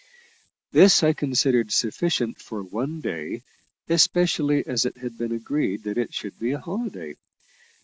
This I considered sufficient for one day, especially as it had been agreed that it should be a holiday.